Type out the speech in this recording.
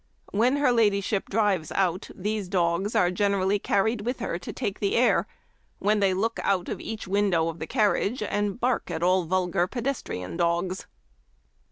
When her ladyship drives out, these dogs are generally carried with her to take the air, when they look out of each window of the carriage, and bark at all vulgar pedestrian dogs."